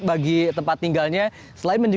bagi tempat tinggalnya selain